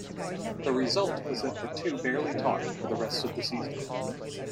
The result was that the two barely talked for the rest of the season.